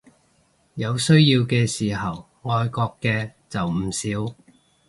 有需要嘅時候愛國嘅就唔少